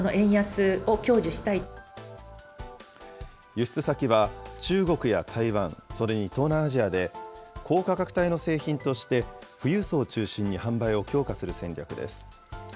輸出先は中国や台湾、それに東南アジアで、高価格帯の製品として、富裕層を中心に販売を強化する戦略です。